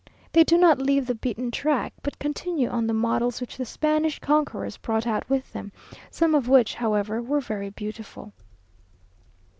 They do not leave the beaten track, but continue on the models which the Spanish conquerors brought out with them, some of which, however, were very beautiful.